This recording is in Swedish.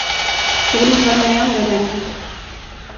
Jag vill inte vara med om det längre.